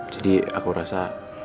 jadi aku rasa